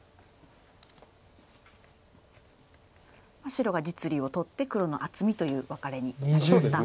白が実利を取って黒の厚みというワカレになりました。